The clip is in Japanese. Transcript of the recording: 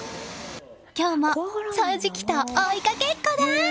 今日も掃除機と追いかけっこだ！